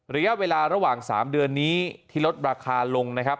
ระยะเวลาระหว่าง๓เดือนนี้ที่ลดราคาลงนะครับ